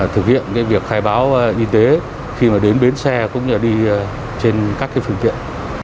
thực hiện cái việc khai báo y tế khi mà đến bến xe cũng như là đi trên các cái phương tiện